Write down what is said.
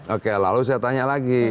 oke lalu saya tanya lagi